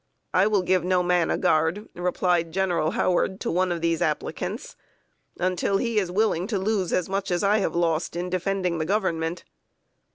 "I will give no man a guard," replied General Howard to one of these applicants, "until he is willing to lose as much as I have lost, in defending the Government."